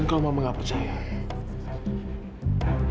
itu artinya mama tidak percaya sama kamu kak